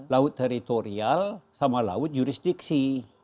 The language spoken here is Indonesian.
laut teritorial sama laut jurisdiksi